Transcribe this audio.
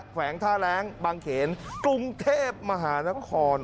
แขวงท่าแรงบางเขนกรุงเทพมหานคร